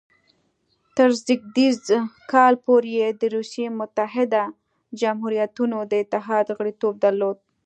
تر زېږدیز کال پورې یې د روسیې متحده جمهوریتونو د اتحاد غړیتوب درلود.